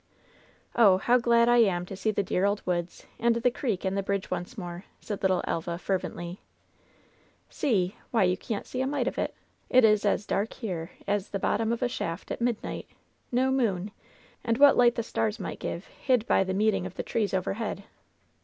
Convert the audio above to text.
"Oh ! how glad I am to see the dear old woods and the creek and the bridge once more I" said little Elva, fer vently. " *See !' Why, you can't see a mite of it ! It is as 188 LOVE'S BITTEREST CUP dark here as the bottom of a shaft at midnight. No moon. And what light the stars might give hid by the meeting of the trees overhead.